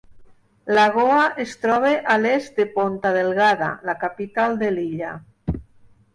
Lagoa es troba a l'est de Ponta Delgada, la capital de l'illa.